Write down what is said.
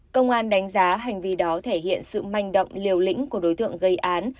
công an đánh giá hành vi đó thể hiện sự manh động liều lĩnh của đối tượng gây án